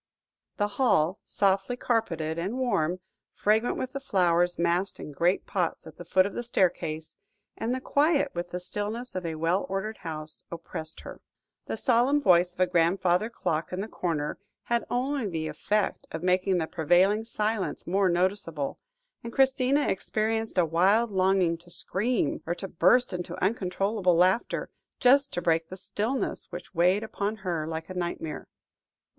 The hall, softly carpeted and warm, fragrant with the flowers massed in great pots at the foot of the staircase, and quiet with the stillness of a well ordered house, oppressed her. The solemn voice of a grandfather clock in the corner, had only the effect of making the prevailing silence more noticeable, and Christina experienced a wild longing to scream, or to burst into uncontrollable laughter, just to break the stillness which weighed upon her like a nightmare.